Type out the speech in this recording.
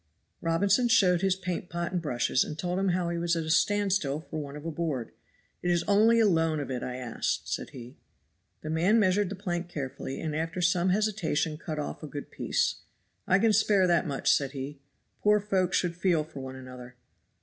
Robinson showed his paintpot and brushes, and told him how he was at a stand still for want of a board. "It is only a loan of it I ask," said he. The man measured the plank carefully, and after some hesitation cut off a good piece. "I can spare that much," said he; "poor folk should feel for one another."